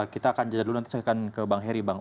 kita akan jeda dulu nanti saya akan ke bang heri bang